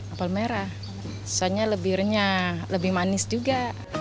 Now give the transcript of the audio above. apel merah rasanya lebih renyah lebih manis juga